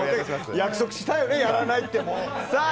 約束したよね、やらないって。